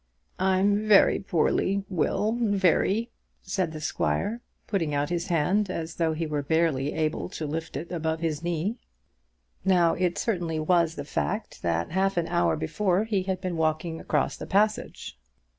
"I'm very poorly, Will; very," said the squire, putting out his hand as though he were barely able to lift it above his knee. Now it certainly was the fact that half an hour before he had been walking across the passage.